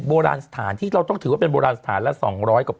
โบราณสถานที่เราต้องถือว่าเป็นโบราณสถานละ๒๐๐กว่า